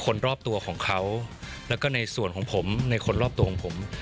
คนรอบตัวของเขาแล้วก็ในส่วนของผมในคนรอบตัวของผม